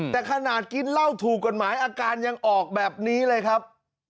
แต่ขนาดกินเหล้าถูกกฎหมายอาการยังออกแบบนี้เลยครับ